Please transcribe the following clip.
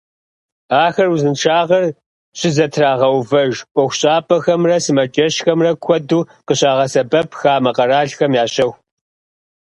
Ахэр узыншагъэр щызэтрагъэувэж ӏуэхущӏапӏэхэмрэ сымаджэщхэмрэ куэду къыщагъэсэбэп, хамэ къэралхэми ящэху.